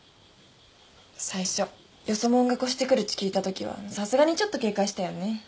最初よそもんが越してくるっち聞いたときはさすがにちょっと警戒したよね。